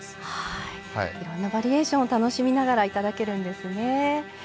いろんなバリエーションを楽しみながらいただけるんですね。